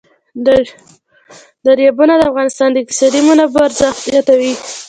دریابونه د افغانستان د اقتصادي منابعو ارزښت زیاتوي.